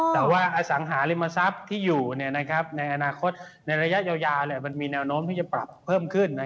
แต่ว่าอสังหาริมทรัพย์ที่อยู่ในอนาคตในระยะยาวมันมีแนวโน้มที่จะปรับเพิ่มขึ้น